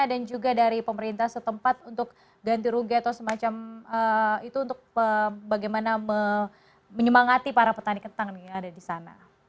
dan juga dari pemerintah setempat untuk ganti rugi atau semacam itu untuk bagaimana menyemangati para petani ketang yang ada di sana